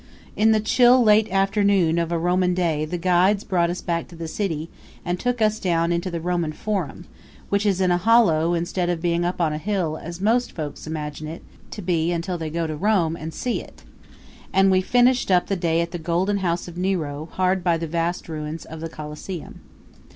In the chill late afternoon of a Roman day the guides brought us back to the city and took us down into the Roman Forum, which is in a hollow instead of being up on a hill as most folks imagine it to be until they go to Rome and see it; and we finished up the day at the Golden House of Nero, hard by the vast ruins of the Coliseum.